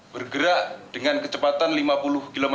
bergerak dengan kecepatan lima puluh km